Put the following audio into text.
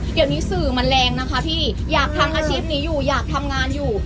เดี๋ยวนี้สื่อมันแรงนะคะพี่อยากทำอาชีพนี้อยู่อยากทำงานอยู่